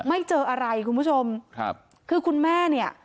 ไม่เจออะไรคุณผู้ชมครับคือคุณแม่เนี่ย